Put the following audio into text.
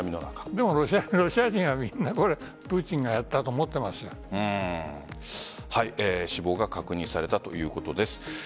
でも、ロシア人はみんなプーチンがやったと死亡が確認されたということです。